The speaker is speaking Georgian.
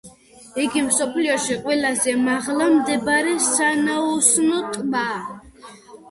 იგი მსოფლიოში ყველაზე მაღლა მდებარე სანაოსნო ტბაა.